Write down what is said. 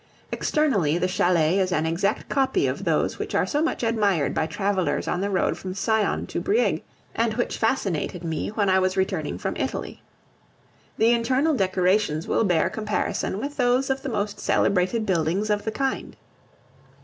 Externally the chalet is an exact copy of those which are so much admired by travelers on the road from Sion to Brieg, and which fascinated me when I was returning from Italy. The internal decorations will bear comparison with those of the most celebrated buildings of the kind.